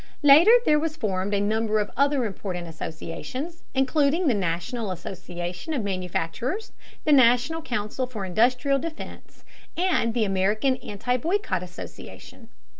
Later there was formed a number of other important associations, including the National Association of Manufacturers, the National Council for Industrial Defence, and the American Anti Boycott Association.